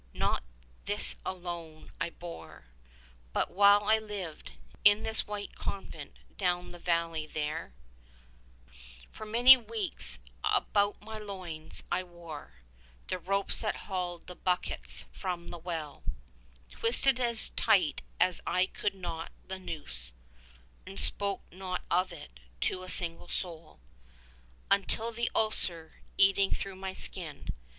Not this alone I bore : but while I lived In the white convent down the valley there, ^ Dr. Arbuthnot reckons the Roman cubit at 171% inches. 156 For many weeks about my loins I wore » The ropes that hauled the buckets from the well, Twisted as tight as I could knot the noose ; And spoke not of it to a single soul, Until the ulcer, eating through my skin.